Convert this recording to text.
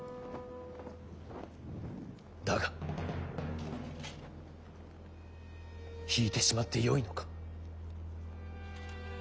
だが引いてしまってよいのか？